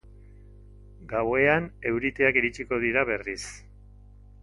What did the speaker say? Gauean euriteak iritsiko dira berriz.